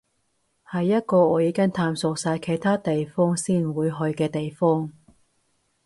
係一個我已經探索晒其他地方先會去嘅地方